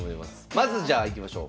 まずじゃあいきましょう。